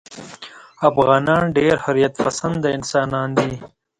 افغانان ډېر حریت پسنده انسانان دي.